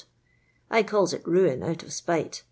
I calls it ' ruin ' out of spite.